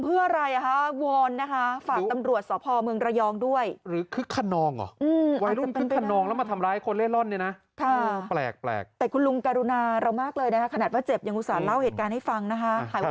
ประสงค์ต่อทรัพย์แล้วก็ทำร้ายลุงเสร็จ